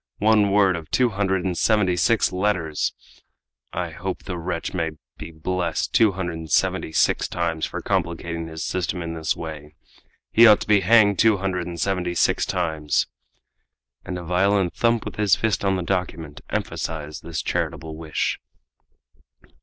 One word of two hundred and seventy six letters! I hope the wretch may be blessed two hundred and seventy six times for complicating his system in this way! He ought to be hanged two hundred and seventy six times!" And a violent thump with his fist on the document emphasized this charitable wish.